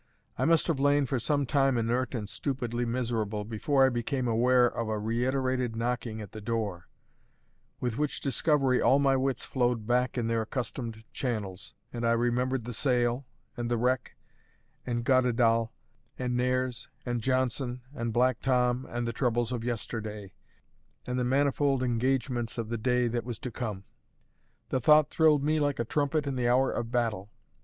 I must have lain for some time inert and stupidly miserable, before I became aware of a reiterated knocking at the door; with which discovery all my wits flowed back in their accustomed channels, and I remembered the sale, and the wreck, and Goddedaal, and Nares, and Johnson, and Black Tom, and the troubles of yesterday, and the manifold engagements of the day that was to come. The thought thrilled me like a trumpet in the hour of battle.